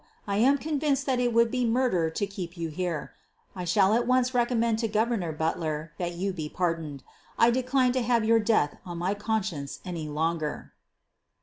I am convinced that it would be murder to keep you here. I shall at once recommend to Gov ernor Butler that you be pardoned. I decline to have your death on my conscience any longer."